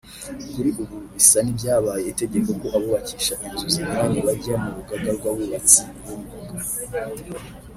Kuri ubu bisa n’ibyabaye itegeko ko abubakisha inzu zinyuranye bajya mu Rugaga rw’Abubatsi b’Umwuga